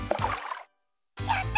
やった！